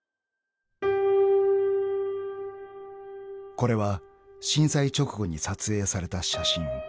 ［これは震災直後に撮影された写真］